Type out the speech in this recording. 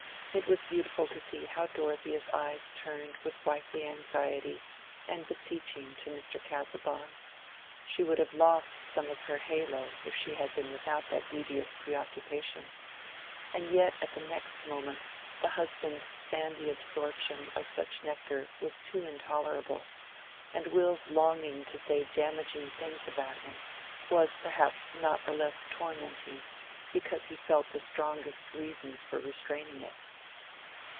It was beautiful to see how Dorothea's eyes turned with wifely anxiety and beseeching to Mr. Casaubon: she would have lost some of her halo if she had been without that duteous preoccupation; and yet at the next moment the husband's sandy absorption of such nectar was too intolerable; and Will's longing to say damaging things about him was perhaps not the less tormenting because he felt the strongest reasons for restraining it.